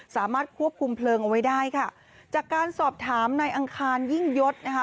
สามารถควบคุมเพลิงเอาไว้ได้ค่ะจากการสอบถามนายอังคารยิ่งยศนะคะ